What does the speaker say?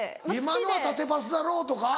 「今のは縦パスだろう！」とか。